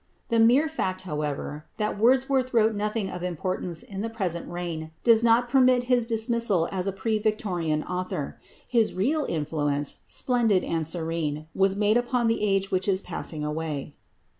The mere fact, however, that Wordsworth wrote nothing of importance in the present reign does not permit of his dismissal as a pre Victorian author. His real influence, splendid and serene, was made upon the age which is passing away.